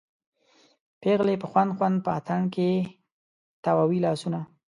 پیغلې په خوند خوند په اتڼ کې تاووي لاسونه